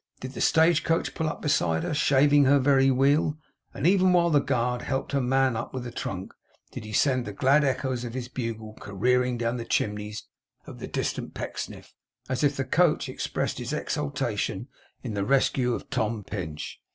Did the stage coach pull up beside her, shaving her very wheel, and even while the guard helped her man up with the trunk, did he send the glad echoes of his bugle careering down the chimneys of the distant Pecksniff, as if the coach expressed its exultation in the rescue of Tom Pinch?